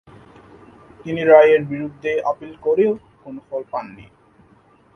তিনি রায়ের বিরুদ্ধে আপিল করেও কোন ফল পাননি।